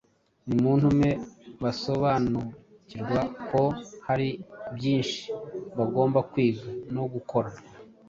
Nimutume basobanukirwa ko hari byinshi bagomba kwiga no gukora;